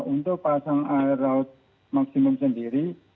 untuk pasang air laut maksimum sendiri